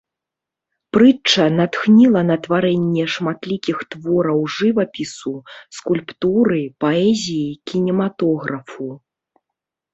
Прытча натхніла на тварэнне шматлікіх твораў жывапісу, скульптуры, паэзіі і кінематографу.